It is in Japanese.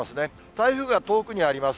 台風が遠くにあります。